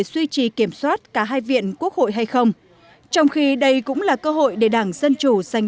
duy trì kiểm soát cả hai viện quốc hội hay không trong khi đây cũng là cơ hội để đảng dân chủ giành